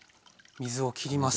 水をきります。